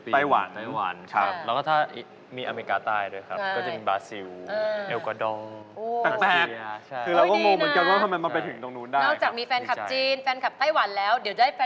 สวัสดีค่ะสวัสดีค่ะสวัสดีค่ะขอบคุณครับว้าวว้าว